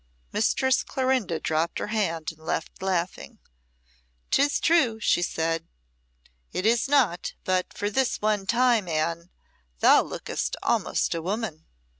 Mistress Clorinda dropped her hand and left laughing. "'Tis true," she said, "it is not; but for this one time, Anne, thou lookest almost a woman."